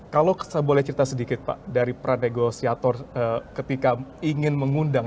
kalau saya boleh cerita sedikit pak dari pra negosiator ketika ingin mengundang